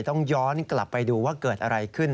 ต้องย้อนกลับไปดูว่าเกิดอะไรขึ้น